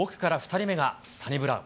奥から２人目がサニブラウン。